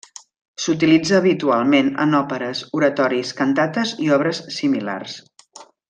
S'utilitza habitualment en òperes, oratoris, cantates i obres similars.